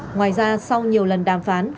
ngoài ra sau nhiều lần đàm phán